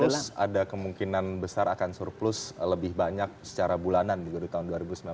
tapi untuk surplus ada kemungkinan besar akan surplus lebih banyak secara bulanan di tahun dua ribu sembilan belas